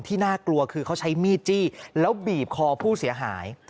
น่ากลัวคือเขาใช้มีดจี้แล้วบีบคอผู้เสียหาย